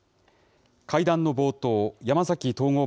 会談の冒頭、山崎統合